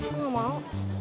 lo gak mau